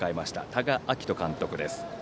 多賀章仁監督です。